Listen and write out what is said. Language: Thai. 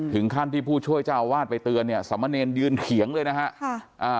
ถึงขั้นที่ผู้ช่วยเจ้าอาวาสไปเตือนเนี่ยสมเนรยืนเถียงเลยนะฮะค่ะอ่า